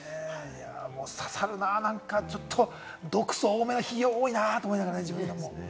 刺さるな、何かちょっと、毒素、多めな日が多いなと思いながらね、自分でも。